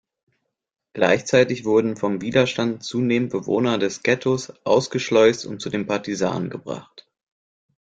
Gleichzeitig wurden vom Widerstand zunehmend Bewohner des Ghettos ausgeschleust und zu den Partisanen gebracht.